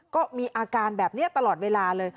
ก็มีอาการแบบนี้ตลอดเวลาเลย